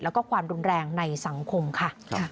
แล้วก็ความรุนแรงในสังคมค่ะ